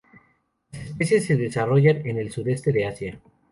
Las especies se desarrollan en el sudeste de Asia.